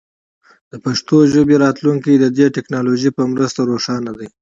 د پښتو ژبې راتلونکی د دې ټکنالوژۍ په مرسته روښانه دی.